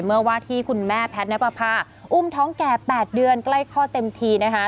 ว่าที่คุณแม่แพทย์ณปภาอุ้มท้องแก่๘เดือนใกล้คลอดเต็มทีนะคะ